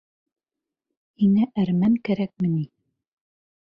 Һиңә әрмән кәрәкме ни?